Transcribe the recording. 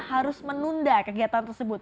harus menunda kegiatan tersebut